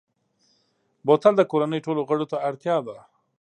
بوتل د کورنۍ ټولو غړو ته اړتیا ده.